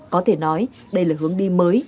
có thể nói đây là hướng đi mới